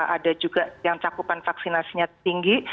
ada juga yang cakupan vaksinasinya tinggi